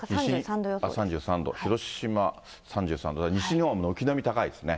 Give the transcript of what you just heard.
３３度、広島３３度、西日本は軒並み高いですね。